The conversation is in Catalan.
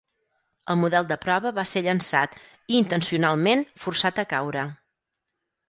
El model de prova va ser llançat i intencionalment forçat a caure.